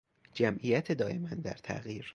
جمعیت دایما در تغییر